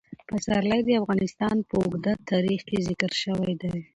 پسرلی د افغانستان په اوږده تاریخ کې ذکر شوی دی.